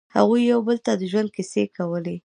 هغوی یو بل ته د ژوند کیسې کولې.